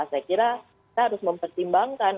saya kira kita harus mempertimbangkan